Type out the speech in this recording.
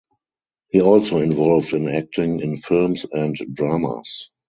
He also involved in acting in films and dramas.